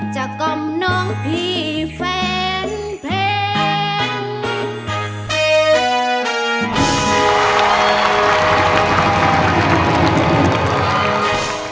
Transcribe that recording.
กล่อมน้องพี่แฟนเพลง